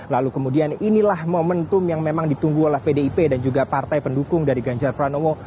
lalu kemudian inilah momentum yang memang ditunggu oleh pdip dan juga partai pendukung dari ganjar pranowo